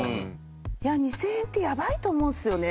「２，０００円ってやばいと思うんですよね」